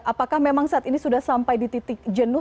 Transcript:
apakah memang saat ini sudah sampai di titik jenuh